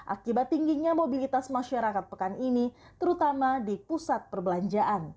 akibat tingginya mobilitas masyarakat pekan ini terutama di pusat perbelanjaan